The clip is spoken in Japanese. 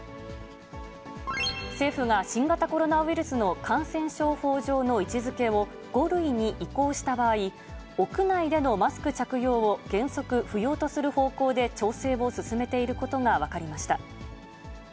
政府が、新型コロナウイルスの感染症法上の位置づけを、５類に移行した場合、屋内でのマスク着用を原則不要とする方向で調整を進めていることが分かりました。